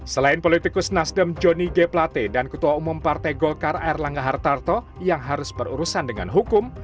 selain politikus nasdem joni g plate dan ketua umum partai golkar air langga hartarto yang harus berurusan dengan hukum